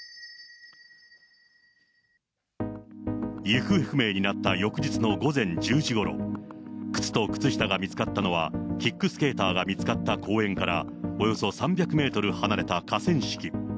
行方不明になった翌日の午前１０時ごろ、靴と靴下が見つかったのは、キックスケーターが見つかった公園から、およそ３００メートル離れた河川敷。